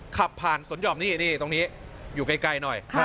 ขับผ่านสวนยอมนี่นี่ตรงนี้อยู่ใกล้ใกล้หน่อยค่ะ